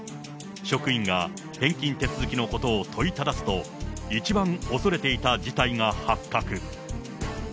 職員が返金手続きのことを問いただすと、一番恐れていた事態が発覚。